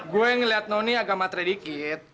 gue ngeliat noni agak matre dikit